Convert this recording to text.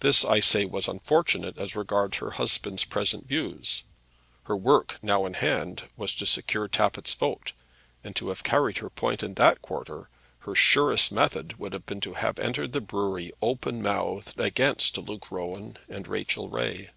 This, I say, was unfortunate as regards her husband's present views. Her work, now in hand, was to secure Tappitt's vote; and to have carried her point in that quarter, her surest method would have been to have entered the brewery open mouthed against Luke Rowan and Rachel Ray.